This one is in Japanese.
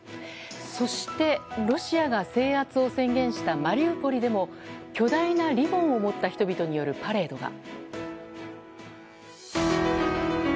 そして、ロシアが制圧を宣言したマリウポリでも巨大なリボンを持った人々によるパレードが。